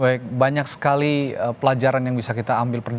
baik banyak sekali pelajaran yang bisa kita ambil perjalanan